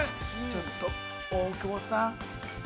ちょっと、大久保さん。